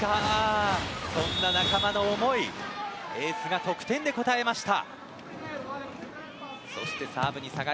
そんな仲間の思いにエースが得点で応えました。